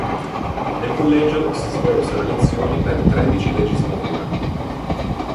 Nel collegio si svolsero elezioni per tredici legislature.